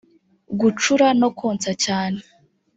Gucura no konsa cyane